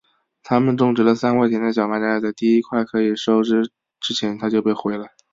他们种植了三块田的小麦但是在第一块可以收成之前它就被毁了。